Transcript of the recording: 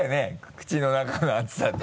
口の中の熱さと。